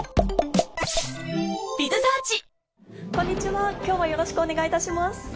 こんにちは今日はよろしくお願いいたします。